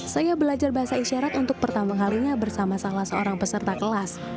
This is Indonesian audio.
saya belajar bahasa isyarat untuk pertama kalinya bersama salah seorang peserta kelas